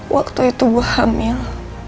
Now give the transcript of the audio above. waktu itu gue hamil